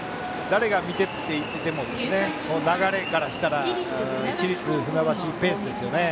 誰が見ていても流れからしたら市立船橋ペースですよね。